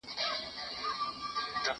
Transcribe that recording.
زه د کتابتون کار نه کوم